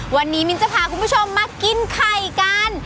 วันนี้มิ้นจะพาคุณผู้ชมมากินไข่กัน